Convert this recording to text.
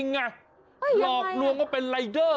ยังไงละอุ้ยยังไงล่วนเป็นรายเด้อ